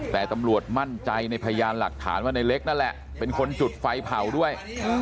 แต่ตำรวจมั่นใจในพยานหลักฐานว่าในเล็กนั่นแหละเป็นคนจุดไฟเผาด้วย